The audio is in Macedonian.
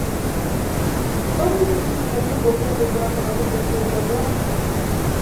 Што му се случи на турбо-фолкот во нашата поблиска историја?